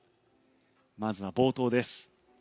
まずは冒頭です。